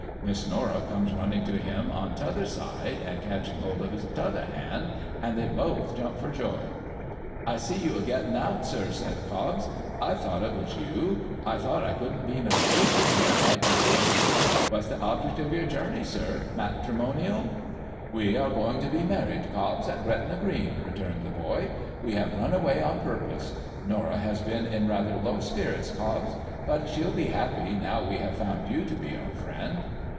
Miss Norah comes running to him on t'other side and catching hold of his t'otlier hand, and they both jump for joy. ' I see you a getting out, sir,' says Cobbs. ' I thought it was you. I thought I couldn't be mistaken in your height and figure. What's the object of your journey, sir? — Matrimonial?' ' We are going to be married, Cobbs, at Gretna Green,' returned the boy. ' ^\'e have run away on purpose. Norah has been in rather low spirits, Cobbs ; but she'll be happy, now we have found you to be our friend.'